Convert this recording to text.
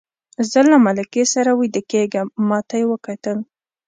زه له ملکې سره ویده کېږم، ما ته یې وکتل.